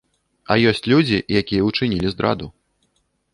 А ёсць людзі, якія ўчынілі здраду.